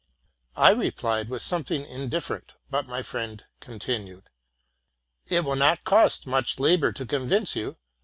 '' I replied with something indifferent ; but my friend continued, '' It will not cost much labor to convince you.